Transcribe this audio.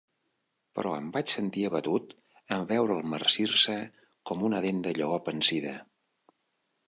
Però em vaig sentir abatut en veure'l marcir-se com una dent de lleó pansida.